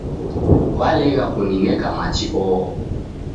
Kwalegha kunineka machi oho.